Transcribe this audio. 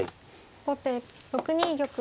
後手６二玉。